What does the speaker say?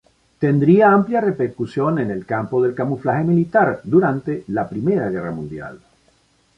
Tendría amplia repercusión en el campo del camuflaje militar durante la Primera Guerra Mundial.